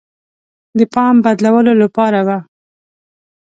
د پام بدلولو لپاره وه.